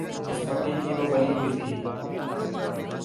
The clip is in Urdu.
جس مٹی کی وہ بنی ہوئی تھیں۔